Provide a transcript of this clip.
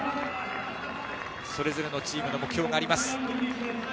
それぞれのチームの目標があります。